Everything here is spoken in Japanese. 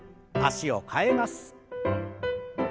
脚を替えます。